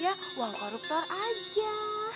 ya uang koruptor aja